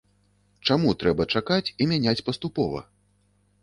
Чаму трэба чакаць і мяняць паступова?